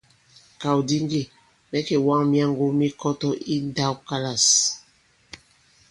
Ìkàw di ŋgê mɛ̌ kèwaŋ myaŋgo mi Kɔtɔ i ǹndãwkalâs.